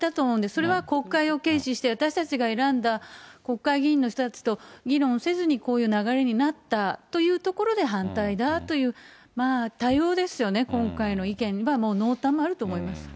それは国会を軽視して、私たちが選んだ国会議員の人たちと議論せずにこういう流れになったというところで反対だという、多様ですよね、今回の意見は、濃淡あると思います。